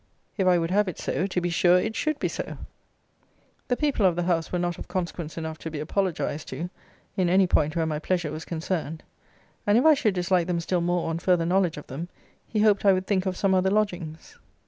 If I would have it so, to be sure it should be so. The people of the house were not of consequence enough to be apologized to, in any point where my pleasure was concerned. And if I should dislike them still more on further knowledge of them, he hoped I would think of some other lodgings.